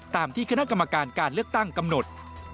ตามที่คณะกรรมการการเลือกตั้งกำหนด